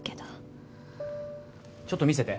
ちょっと見せて。